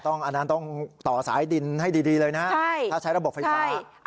อันนั้นต้องต่อสายดินให้ดีเลยนะถ้าใช้ระบบไฟฟ้า